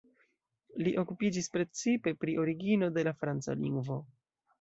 Li okupiĝis precipe pri origino de la franca lingvo.